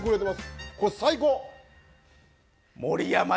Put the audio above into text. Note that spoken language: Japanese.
これ最高！